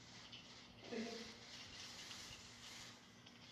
Během první a druhé světové války zůstal Kitzbühel daleko od válečného dění.